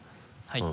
はい。